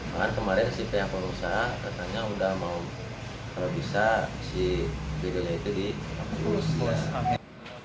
bahkan kemarin si pihak perusahaan katanya sudah mau kalau bisa si videonya itu dihapus